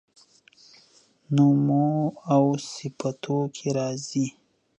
نومواوصفتوکي راځي